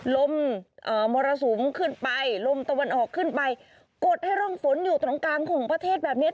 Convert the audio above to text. ลมมรสุมขึ้นไปลมตะวันออกขึ้นไปกดให้ร่องฝนอยู่ตรงกลางของประเทศแบบนี้